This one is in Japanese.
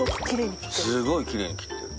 すごくきれいに切ってる。